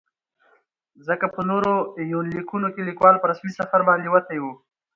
ځکه په نورو يونليکونو کې ليکوال په رسمي سفر باندې وتى و.